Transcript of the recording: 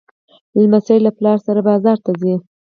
لمسی له پلار سره بازار ته ځي.